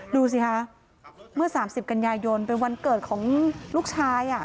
ดูสิคะเมื่อ๓๐กันยายนเป็นวันเกิดของลูกชาย